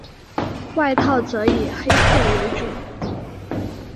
外套则以黑色为主。